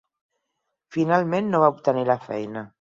Finalment, no va obtenir la feina.